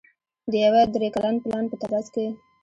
د یوه درې کلن پلان په ترڅ کې